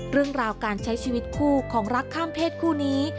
เรื่องราวการใช้ชีวิตคู่ของรักข้ามเพศคู่นี้